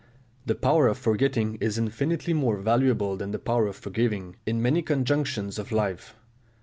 The power of forgetting is infinitely more valuable than the power of forgiving, in many conjunctions of life.